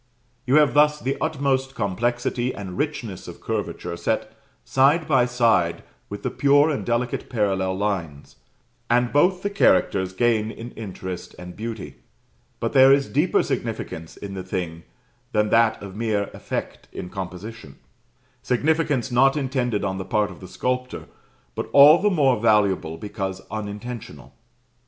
You have thus the utmost complexity and richness of curvature set side by side with the pure and delicate parallel lines, and both the characters gain in interest and beauty; but there is deeper significance in the thing than that of mere effect in composition; significance not intended on the part of the sculptor, but all the more valuable because unintentional.